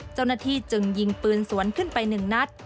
เจ้าหน้าที่จึงยิงปืนสวนขึ้นไป๑นัด